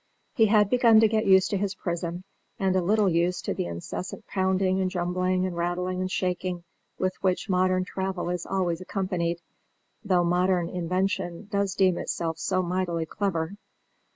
He had begun to get used to his prison, and a little used to the incessant pounding and jumbling and rattling and shaking with which modern travel is always accompanied, though modern invention does deem itself so mightily clever.